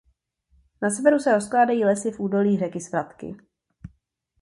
Na severu se rozkládají lesy v údolí řeky Svratky.